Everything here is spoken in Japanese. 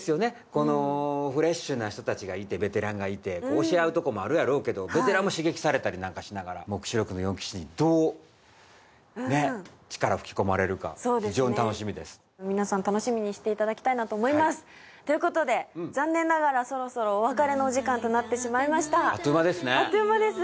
このフレッシュな人達がいてベテランがいて押し合うとこもあるやろうけどベテランも刺激されたりしながら「黙示録の四騎士」どうね力吹き込まれるかそうですね非常に楽しみです皆さん楽しみにしていただきたいなと思いますということで残念ながらそろそろお別れのお時間となってしまいましたあっという間ですねあっという間です